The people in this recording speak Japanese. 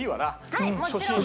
はいもちろんです。